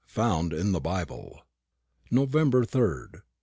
FOUND IN THE BIBLE. November 3 d.